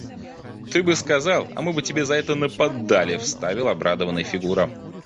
Ты бы сказал, а мы бы тебе за это наподдали, – вставил обрадованный Фигура.